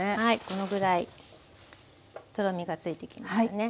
このぐらいとろみがついてきましたね。